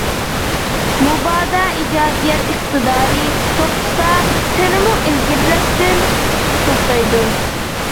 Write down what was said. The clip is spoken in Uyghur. مۇبادا ئىجادىيەت ئىقتىدارى توختىسا، تىلمۇ ئىلگىرىلەشتىن توختايدۇ.